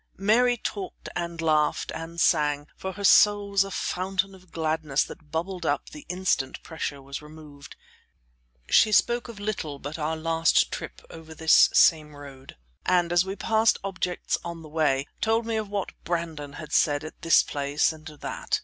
Mary talked, and laughed, and sang, for her soul was a fountain of gladness that bubbled up the instant pressure was removed. She spoke of little but our last trip over this same road, and, as we passed objects on the way, told me of what Brandon had said at this place and that.